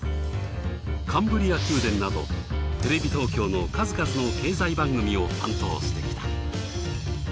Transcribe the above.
『カンブリア宮殿』などテレビ東京の数々の経済番組を担当してきた。